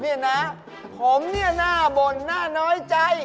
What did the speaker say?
นี่นะผมเนี่ยน่าบ่นน่าน้อยใจ